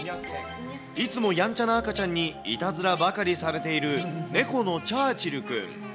いつも、やんちゃな赤ちゃんにいたずらばかりされている猫のチャーチルくん。